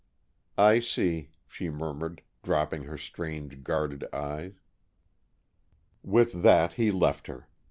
"I see," she murmured, dropping her strange, guarded eyes. With that he left her.